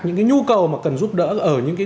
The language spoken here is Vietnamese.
những cái nhu cầu mà cần giúp đỡ ở những cái